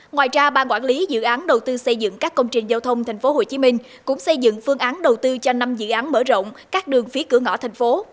ngoài ra ba quản lý dự án đầu tư xây dựng các công trình giao thông thành phố hồ chí minh cũng xây dựng phương án đầu tư cho năm dự án mở rộng các đường phía cửa ngõ thành phố